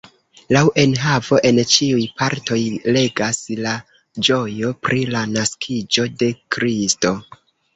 Laŭ enhavo en ĉiuj partoj regas la ĝojo pri la naskiĝo de Kristo.